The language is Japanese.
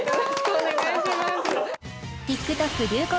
お願いします